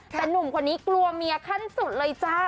แต่หนุ่มคนนี้กลัวเมียขั้นสุดเลยจ้า